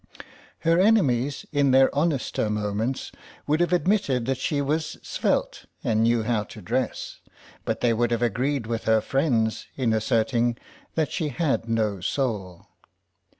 Her enemies, in their honester moments, would have admitted that she was svelte and knew how to dress, but they would have agreed with her friends in asserting that she had no soul.